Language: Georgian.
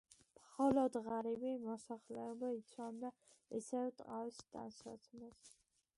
მხოლოდ ღარიბი მოსახლეობა იცვამდა ისევ ტყავის ტანსაცმელს.